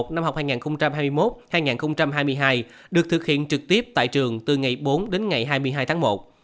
năm học hai nghìn hai mươi một hai nghìn hai mươi hai được thực hiện trực tiếp tại trường từ ngày bốn đến ngày hai mươi hai tháng một